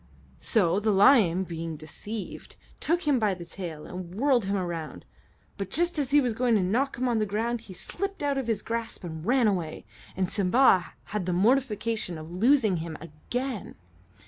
So the lion, being deceived, took him by the tail and whirled him around, but just as he was going to knock him on the ground he slipped out of his grasp and ran away, and Simba had the mortification of losing him again.